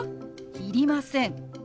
「いりません」。